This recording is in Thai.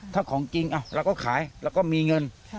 ถ้าของจริงเราก็ขายเราก็มีเงิน